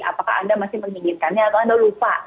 apakah anda masih menginginkannya atau anda lupa